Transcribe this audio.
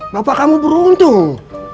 bapak kamu beruntung